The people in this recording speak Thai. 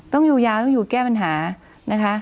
ต้องอยู่ยาวต้องอยู่แก้ปัญหานะคะ